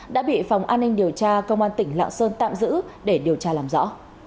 đã bị phòng an ninh điều tra công an tỉnh lạng sơn tạm giữ để điều tra làm rõ